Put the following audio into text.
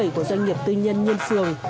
của doanh nghiệp tư nhân nhiên phường